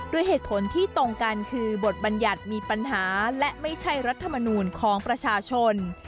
ด้วยเหตุผลที่ตรงกันคือบทบัญญัติมีปัญหาและไม่ใช่รัฐมนูลของประชาชน